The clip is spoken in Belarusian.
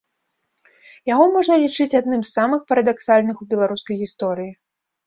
Яго можна лічыць адным з самых парадаксальных у беларускай гісторыі.